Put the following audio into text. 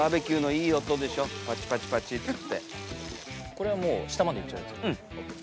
これはもう下までいっちゃうやつ？